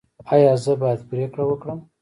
ایا زه باید پریکړه وکړم؟